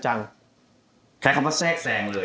ใช้คำว่าแทรกแซงเลย